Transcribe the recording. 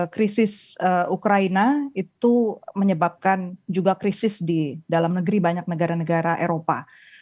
krisis ukraina itu menyebabkan juga krisis di dalam negeri banyak negara negara eropa